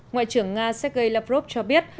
ngoại trưởng nga sergei lavrov cho biết